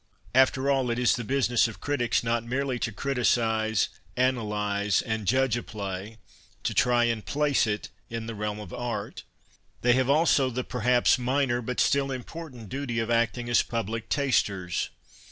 After all it is the business of crities not merely to eriticizc, analyse, and jud^c a play, to try and " place " it in the realm of art ; they have also the perhaps minor but still important duty of acting as public " tasters."